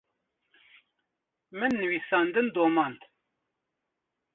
min nivîsandin domand.